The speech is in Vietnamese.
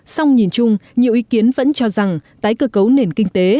song nhìn chung nhiều ý kiến vẫn cho rằng tái cơ cấu nền kinh tế